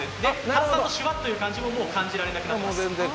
炭酸のシュワッという感じも感じられなくなっています。